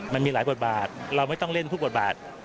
มันมีหลายบทบาทเราไม่ต้องเล่นทุกบทบาท